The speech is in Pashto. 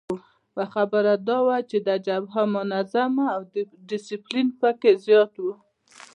یوه خبره دا وه چې دا جبهه منظمه او ډسپلین پکې زیات وو.